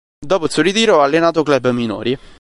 Dopo il suo ritiro ha allenato club minori.